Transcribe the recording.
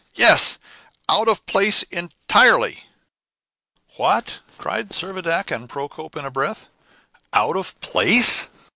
Yes, out of place entirely." "What!" cried Servadac and Procope in a breath, "out of place?"